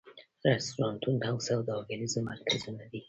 رستورانتونه او سوداګریز مرکزونه دي.